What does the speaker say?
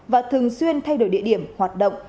và thường xuyên thay đổi địa điểm hoạt động